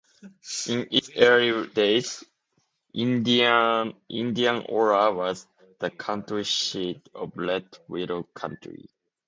In its early days, Indianola was the county seat of Red Willow County.